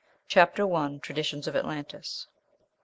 CHAPTER I. TRADITIONS OF ATLANTIS.